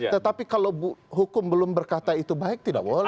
tetapi kalau hukum belum berkata itu baik tidak boleh